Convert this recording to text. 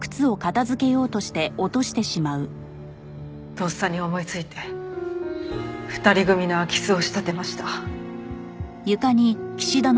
とっさに思い付いて２人組の空き巣を仕立てました。